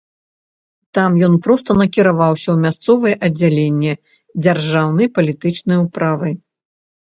Там ён проста накіраваўся ў мясцовае аддзяленне дзяржаўнай палітычнай управы.